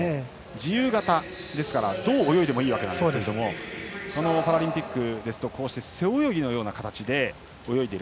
自由形ですからどう泳いでもいいわけですけどパラリンピックですと背泳ぎのような形で泳いでいる。